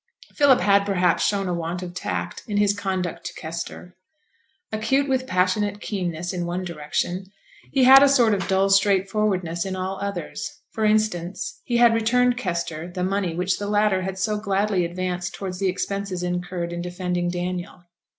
Philip had, perhaps, shown a want of tact in his conduct to Kester. Acute with passionate keenness in one direction, he had a sort of dull straightforwardness in all others. For instance, he had returned Kester the money which the latter had so gladly advanced towards the expenses incurred in defending Daniel.